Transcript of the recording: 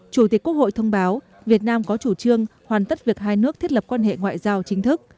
chủ tịch quốc hội thông báo việt nam có chủ trương hoàn tất việc hai nước thiết lập quan hệ ngoại giao chính thức